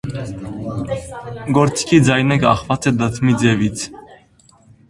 Գործիքի ձայնը կախված է դդմի ձևից։